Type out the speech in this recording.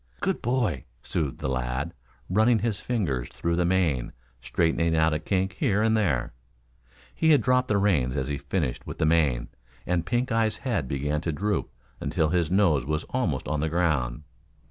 "Good boy," soothed the lad, running his fingers through the mane, straightening out a kink here and there. He had dropped the reins as he finished with the mane, and Pink eye's head began to droop until his nose was almost on the ground.